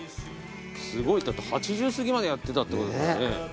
すごいだって８０すぎまでやってたってことだからね。